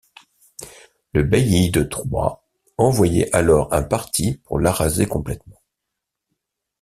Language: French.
Le bailli de Troyes envoyait alors un parti pour l’araser complètement.